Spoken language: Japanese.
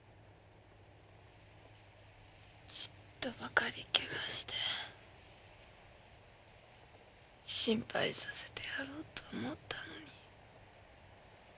ちっとばかり怪我して心配させてやろうと思ったのに。